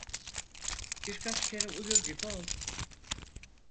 Birkaç kere uyur gibi oldu.